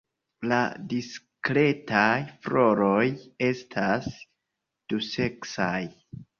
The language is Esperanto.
La diskretaj floroj estas duseksaj.